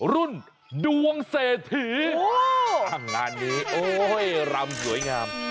รุ่นดวงเสถีโหงานนี้โอ้ยรำสวยงาม